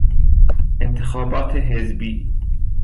انتخابات حزبی